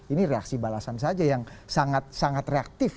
ini reaksi balasan saja yang sangat sangat reaktif